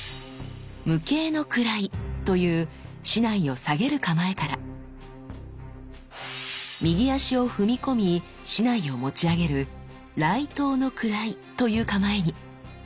無形の位という竹刀を下げる構えから右足を踏み込み竹刀を持ち上げる雷刀の位という構えに。